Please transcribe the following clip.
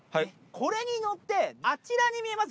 これに乗って、あちらに見えます